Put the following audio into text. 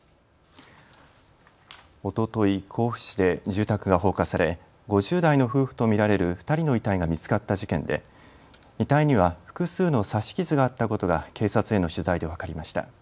おととい、甲府市で住宅が放火され５０代の夫婦と見られる２人の遺体が見つかった事件で遺体には複数の刺し傷があったことが警察への取材で分かりました。